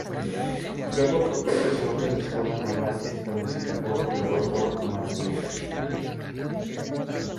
Luego fue profesor de la escuela naval establecida a bordo del vapor "Marañón".